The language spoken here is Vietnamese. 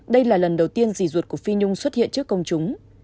đây là lần đầu tiên rỉ ruột của phi nhung xuất hiện trước công chúng